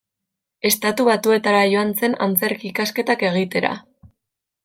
Estatu Batuetara joan zen antzerki-ikasketak egitera.